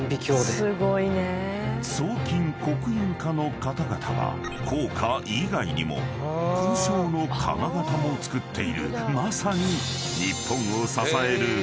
［装金極印課の方々は硬貨以外にも勲章の金型もつくっているまさに］